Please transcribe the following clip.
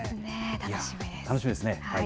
楽しみですね。